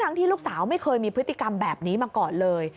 ที่ลูกสาวไม่เคยมีพฤติกรรมแบบนี้มาก่อนเลย